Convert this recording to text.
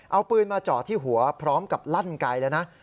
เอาปืนมาจอดที่หัวพร้อมกับลั่นไกลแล้วนะ